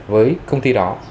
với công ty đó